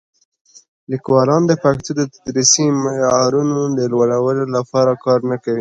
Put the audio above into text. لیکوالان د پښتو د تدریسي معیارونو د لوړولو لپاره کار نه کوي.